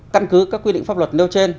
căn cứ các quy định pháp luật nêu trên